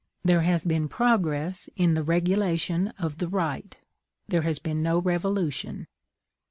There has been progress in the regulation of the right; there has been no revolution.